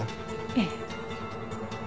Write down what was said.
ええ。